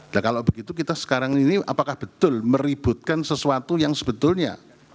dan kalau begitu kita sekarang ini apakah betul meributkan sesuatu yang sebetulnya